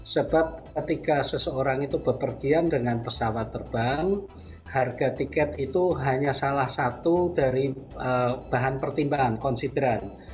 sebab ketika seseorang itu berpergian dengan pesawat terbang harga tiket itu hanya salah satu dari bahan pertimbangan konsideran